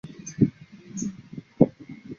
希尔施斯泰因是德国萨克森州的一个市镇。